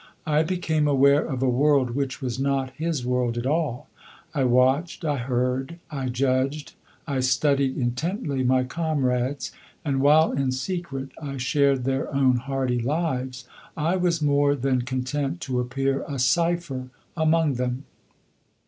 I became aware of a world which was not his world at all. I watched, I heard, I judged, I studied intently my comrades; and while in secret I shared their own hardy lives, I was more than content to appear a cipher among them.